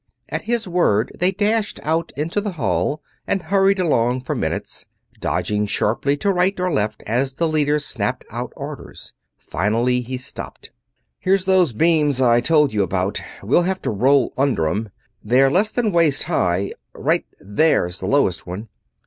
At his word they dashed out into the hall and hurried along for minutes, dodging sharply to right or left as the leader snapped out orders. Finally he stopped. "Here's those beams I told you about. We'll have to roll under 'em. They're less than waist high right there's the lowest one.